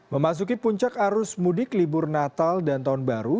memasuki puncak arus mudik libur natal dan tahun baru